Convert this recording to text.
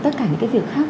tất cả những cái việc khác